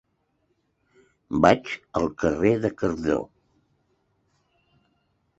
Vaig al carrer de Cardó.